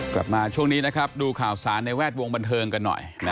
กลับมาช่วงนี้นะครับดูข่าวสารในแวดวงบันเทิงกันหน่อย